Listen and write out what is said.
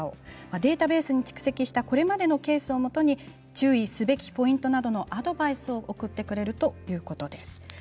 データベースに蓄積したこれまでの事例をもとに注意すべきポイントなどのアドバイスを送ってくれるそうです。